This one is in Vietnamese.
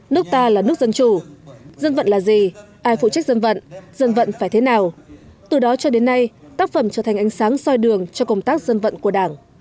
nước ta là nước dân chủ dân vận là gì ai phụ trách dân vận dân vận phải thế nào từ đó cho đến nay tác phẩm trở thành ánh sáng soi đường cho công tác dân vận của đảng